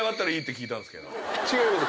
違います。